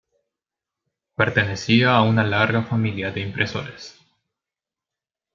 Pertenecía a una larga familia de impresores.